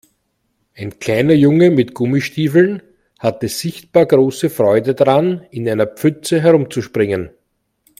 Ein kleiner Junge mit Gummistiefeln hatte sichtbar große Freude daran, in einer Pfütze herumzuspringen.